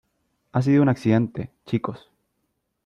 Ha sido un accidente , chicos .